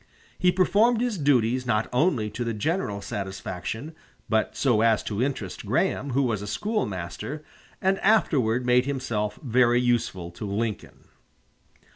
He performed his duties not only to the general satisfaction, but so as to interest Graham, who was a schoolmaster, and afterward made himself very useful to Lincoln.